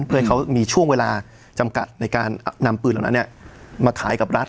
เพื่อให้เขามีช่วงเวลาจำกัดในการนำปืนเหล่านั้นมาขายกับรัฐ